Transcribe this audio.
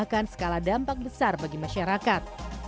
akan skala dampak besar bagi masyarakat